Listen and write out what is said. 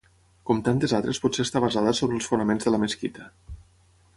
Com tantes altres potser està basada sobre els fonaments de la mesquita.